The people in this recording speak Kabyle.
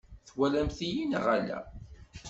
Twalamt-iyi neɣ ala?